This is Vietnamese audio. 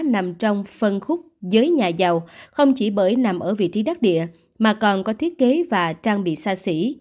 nằm trong phân khúc giới nhà giàu không chỉ bởi nằm ở vị trí đắc địa mà còn có thiết kế và trang bị xa xỉ